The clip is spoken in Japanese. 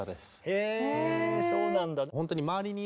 へそうなんだ。